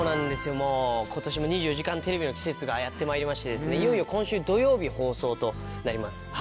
もう今年も『２４時間テレビ』の季節がやってまいりましていよいよ今週土曜日放送となります。